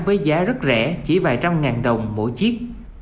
với giá rất rẻ chỉ vài trăm ngàn đồng mỗi chiếc